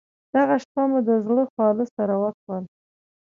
دغه شپه مو د زړه خواله سره وکړل.